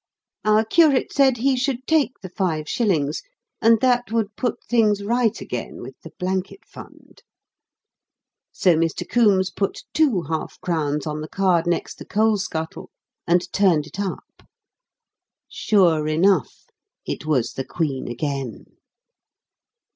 Our curate said he should take the five shillings and that would put things right again with the blanket fund. So Mr. Coombes put two half crowns on the card next the coal scuttle and turned it up. Sure enough, it was the queen again!